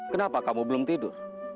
kenapa kamu belum tidur